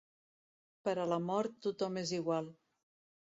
Per a la mort tothom és igual.